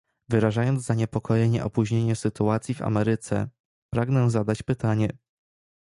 Wyrażając zaniepokojenie opóźnieniem sytuacji w Ameryce pragnę zadać pytanie